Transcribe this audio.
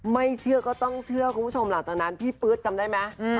ไม่เชื่อก็ต้องเชื่อคุณผู้ชมหลังจากนั้นพี่ปื๊ดจำได้ไหม